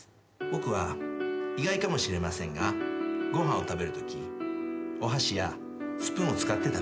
僕は意外かもしれませんがご飯を食べるときお箸やスプーンを使って食べます。